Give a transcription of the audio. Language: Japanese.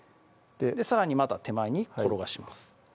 さらにまた手前に転がします